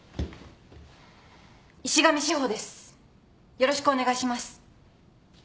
よろしくお願いします。